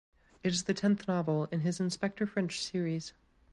It is the tenth novel in his Inspector French series.